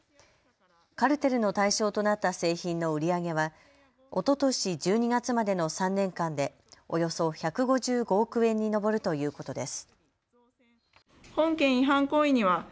カルテルの対象となった製品の売り上げはおととし１２月までの３年間でおよそ１５５億円に上るということです。